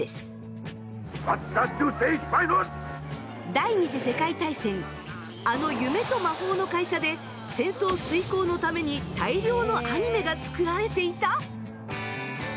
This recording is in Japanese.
第２次世界大戦あの夢と魔法の会社で戦争遂行のために大量のアニメが作られていた！